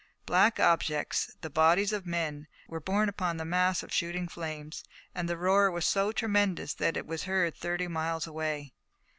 Black objects, the bodies of men, were borne upon the mass of shooting flames, and the roar was so tremendous that it was heard thirty miles away.